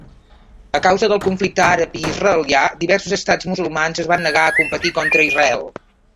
A causa del conflicte àrab i israelià, diversos estats musulmans es van negar a competir contra Israel.